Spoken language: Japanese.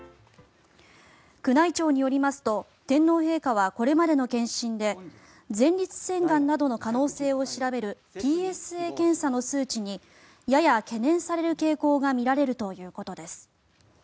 宮内庁によりますと天皇陛下はこれまでの検診で前立腺がんなどの可能性を調べるＰＳＡ検査の数値にやや懸念される傾向が見られるということです。